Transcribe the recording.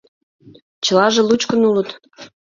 Чылаже лучкын улыт.